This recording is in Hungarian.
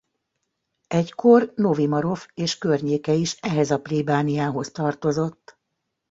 Egykor Novi Marof és környéke is ehhez a plébániához tartozott.